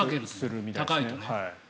高いとね。